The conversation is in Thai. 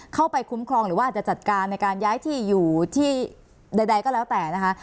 คุ้มครองหรือว่าอาจจะจัดการในการย้ายที่อยู่ที่ใดก็แล้วแต่นะคะ